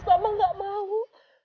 mama tidak mau